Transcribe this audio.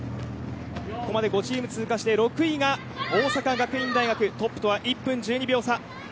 ここまで５チーム通過して６位が大阪学院大学トップとは１分１２秒差。